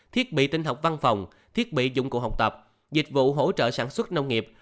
thiết bị tinh học văn phòng thiết bị dụng cụ học tập dịch vụ hỗ trợ sản xuất nông nghiệp